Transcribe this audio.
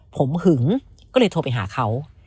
ผมหึงก็เลยโทรไปหาเขา